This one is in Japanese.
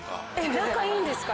仲いいんですか？